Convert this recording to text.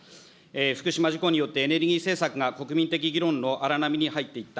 福島事故によって、エネルギー政策が国民的議論の荒波に入っていった。